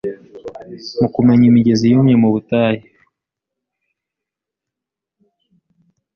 mu kumenya imigezi yumye mu butayu